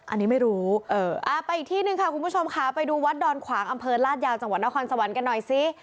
อันนี้ไม่รู้ไปอีกที่หนึ่งค่ะคุณผู้ชมค่ะไปดูวัดดอนขวางอำเภอลาดยาวจังหวัดนครสวรรค์กันหน่อยสิ